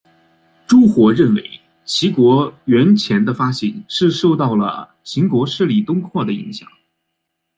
朱活认为齐国圜钱的发行是受到了秦国势力东扩的影响。